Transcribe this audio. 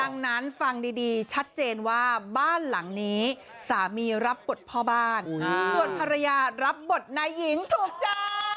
ดังนั้นฟังดีชัดเจนว่าบ้านหลังนี้สามีรับบทพ่อบ้านส่วนภรรยารับบทนายหญิงถูกจ้า